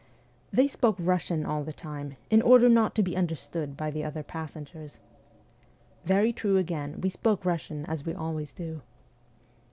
' They spoke Kussian all the time, in order not to be understood by the other passengers.' Very true again : we spoke Russian as we always do.